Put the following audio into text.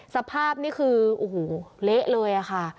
สภาพนี่คือโอ้โหเละเลยค่ะ